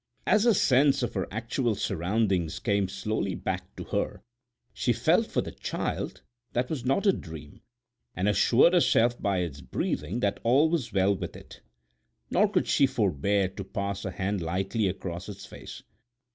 As a sense of her actual surroundings came slowly back to her she felt for the child that was not a dream, and assured herself by its breathing that all was well with it; nor could she forbear to pass a hand lightly across its face.